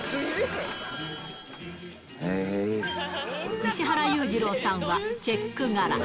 石原裕次郎さんはチェック柄。